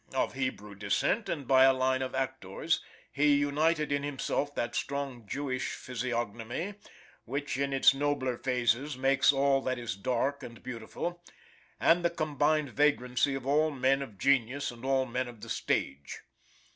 Of Hebrew descent, and by a line of actors, he united in himself that strong Jewish physiognomy which, in its nobler phases, makes all that is dark and beautiful, and the combined vagrancy of all men of genius and all men of the stage.